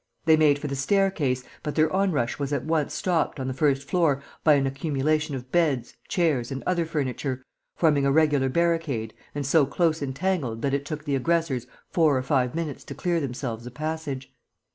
They made for the staircase, but their onrush was at once stopped, on the first floor, by an accumulation of beds, chairs and other furniture, forming a regular barricade and so close entangled that it took the aggressors four or five minutes to clear themselves a passage.